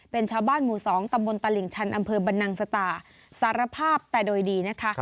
เป็นชาวบ้านหมู่๒ตำบลตลิ่งชันอำเภอบรรนังสตาสารภาพแต่โดยดีนะคะ